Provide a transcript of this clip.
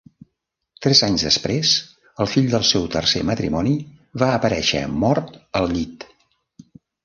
Tres anys després el fill del seu tercer matrimoni va aparèixer mort al llit.